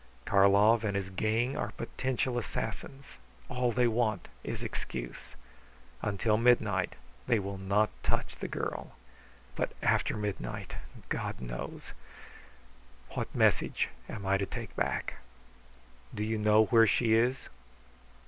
Karlov and his gang are potential assassins; all they want is excuse. Until midnight they will not touch the girl; but after midnight, God knows! What message am I to take back?" "Do you know where she is?"